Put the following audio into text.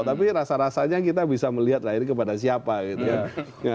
tapi rasa rasanya kita bisa melihat lah ini kepada siapa gitu ya